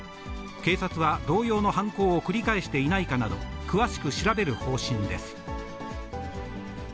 警察は同様の犯行を繰り返していないかなど、詳しく調べる方針です。